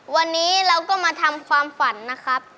วันนี้เราก็มาทำความฝันนะครับ